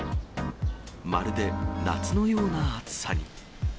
まるで夏のような暑さに。